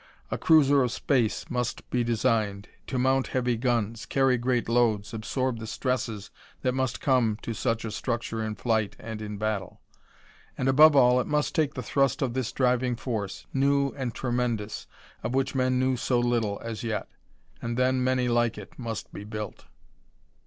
A cruiser of space must be designed, to mount heavy guns, carry great loads, absorb the stresses that must come to such a structure in flight and in battle. And above all, it must take the thrust of this driving force new and tremendous of which men knew so little as yet. And then many like it must be built.